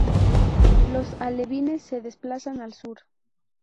Los alevines se desplazan al sur.